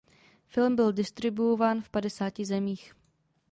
Film byl distribuován v padesáti zemích.